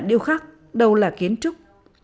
điều khắc đâu là kiến trúc